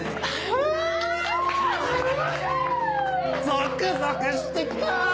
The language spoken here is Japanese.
ゾクゾクしてきた！